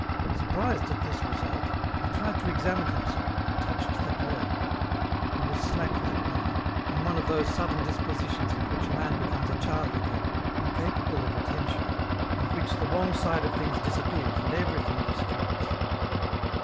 Surprised at this result, he tried to examine himself, and touched the void ; he was slack that morning, in one of those sudden dispositions in which a man becomes a child again, in capable of attention, in which the wrong side of things disappears, and everything distracts.